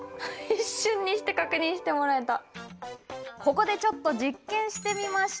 ここでちょっと実験してみました。